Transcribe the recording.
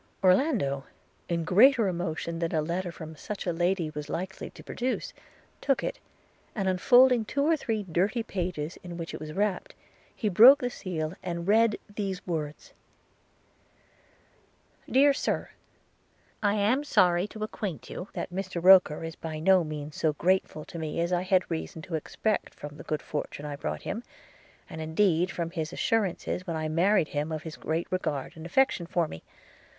Orlando, in greater emotion than a letter from such a lady was likely to produce, took it, and unfolding two or three dirty papers in which it was wrapped, he broke the seal, and read these words: 'DEAR SIR, 'I AM sorry to acquaint you that Mr Roker is by no means so grateful to me as I had reason to expect from the good fortune I brought him, and indeed from his assurances when I married him of his great regard and affection for me.